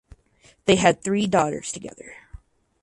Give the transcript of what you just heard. They had three daughters together.